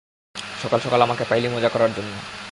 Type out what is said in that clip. সকাল সকাল আমাকে পাইলি মজা করার জন্য!